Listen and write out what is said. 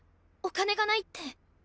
お金がないって。